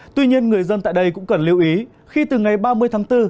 tuy nhiên người dân tại đây cũng cần lưu ý khi từ ngày ba mươi tháng bốn